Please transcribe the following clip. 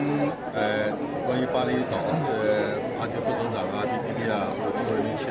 ketika berbicara tentang tiongkok saya menyatakan terima kasih kepada tiongkok